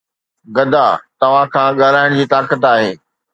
گدا توهان کان ڳالهائڻ جي طاقت آهي